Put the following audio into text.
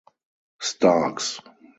Starks.